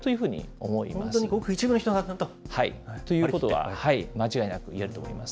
本当にごく一部の人が書いてということは間違いなく言えると思います。